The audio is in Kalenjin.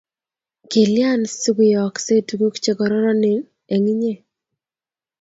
Kilyan si kuyooksei tuguk che kororononen eng' inye